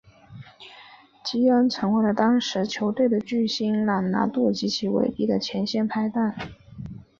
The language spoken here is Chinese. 基恩成为了当时球队的巨星朗拿度及韦利的前线拍挡。